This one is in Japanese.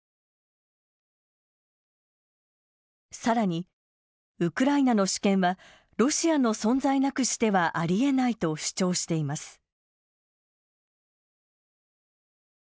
さらに、ウクライナの主権はロシアの存在なくしてはありえないと主張しています。